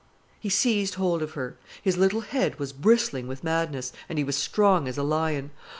He seized hold of her. His little head was bristling with madness, and he was strong as a lion.